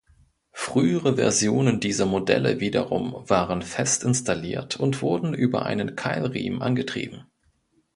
Frühere Versionen dieser Modelle wiederum waren fest installiert und wurden über einen Keilriemen angetrieben.